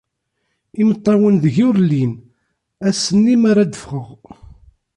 Imeṭṭawen deg-i ur llin, ass-nni mi ara d-ffɣeɣ.